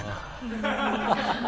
ハハハハ。